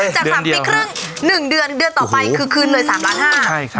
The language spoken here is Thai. จาก๓ปีครึ่ง๑เดือนเดือนต่อไปคือคืนเลย๓ล้านห้า